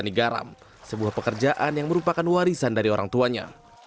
zaini mengajar di petani garam sebuah pekerjaan yang merupakan warisan dari orang tuanya